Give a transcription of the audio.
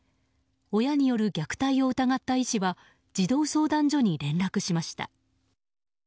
親による虐待を疑った医師は児童相談所に連絡しました。